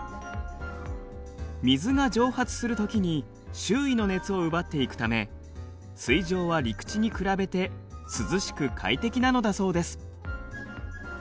水が蒸発するときに周囲の熱を奪っていくため水上は陸地に比べて涼しく快適なのだそうです。